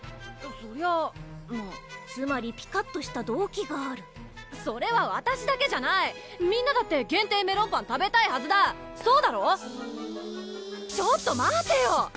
そりゃあまぁつまりピカッとした動機があるそれはわたしだけじゃないみんなだって限定メロンパン食べたいはずだそうだろ⁉じーっちょっと待てよ！